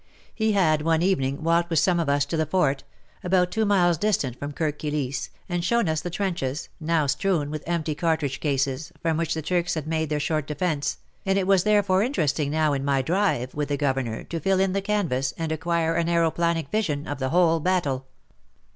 He had one evening walked v/ith some of us to the F'ort — about two miles distant from Kirk Kilisse, and shown us the trenches, now strewn with empty cartridge cases, from which the Turks had made their short defence, and it was therefore interesting now in my drive with the Governor to fill in the canvas and acquire an aeroplanic vision of the whole battle.